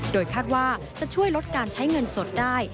โดยคาดว่าจะช่วยลดการใช้เงินสดได้